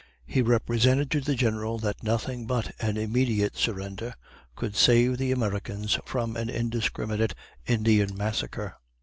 He represented to the General that nothing but an immediate surrender could save the Americans from an indiscriminate Indian massacre.